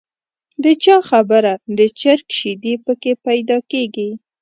د چا خبره د چرګ شیدې په کې پیدا کېږي.